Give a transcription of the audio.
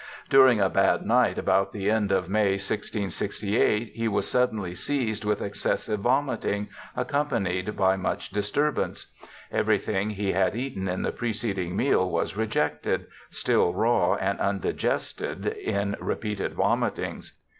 ' During a bad night about the end of May, 1668, he was suddenly seized with excessive vomiting, ac companied by much disturbance. Everything he had eaten in the preceding meal was rejected, still raw and undigested, m repeated vomitings.